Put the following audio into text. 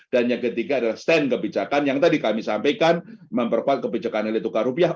dan yang ketiga adalah stand kebijakan yang tadi kami sampaikan memperkuat kebijakan nilai tukar rupiah